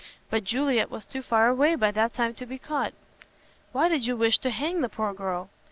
But Juliet was too far away by that time to be caught." "Why did you wish to hang the poor girl?"